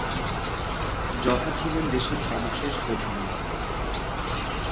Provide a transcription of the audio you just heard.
যথা ছিলেন দেশের সর্বশেষ প্রধানমন্ত্রী।